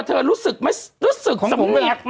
เธอรู้สึกไหมรู้สึกสมัครไหม